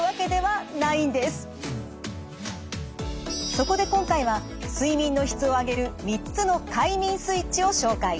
そこで今回は睡眠の質を上げる３つの快眠スイッチを紹介。